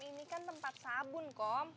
ini kan tempat sabun kom